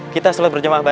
kita salat berjemaah